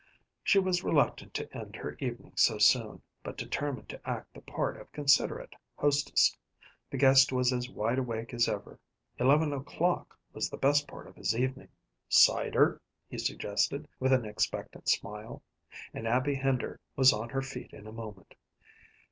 She was reluctant to end her evening so soon, but determined to act the part of considerate hostess. The guest was as wide awake as ever: eleven o'clock was the best part of his evening. "Cider?" he suggested, with an expectant smile, and Abby Hender was on her feet in a moment.